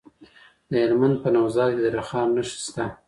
د هلمند په نوزاد کې د رخام نښې شته.